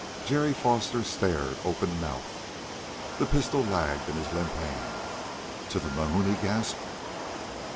Jerry Foster stared, open mouthed. The pistol lagged in his limp hand. "To the moon!" he gasped.